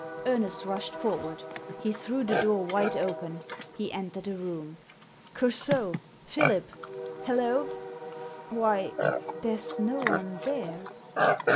Ernest rushed forward He threw the door wide open. He entered the room. "Coursault! Philip! Hallo! Why— there's no one there